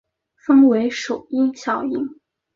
分为首因效应。